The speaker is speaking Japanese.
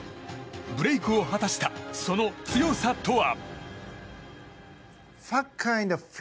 ブレークを果たしたその強さとは。